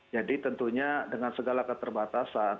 jadi tentunya dengan segala keterbatasan